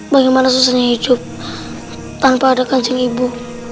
bagaimana susahnya hidup tanpa ada kanjeng ibu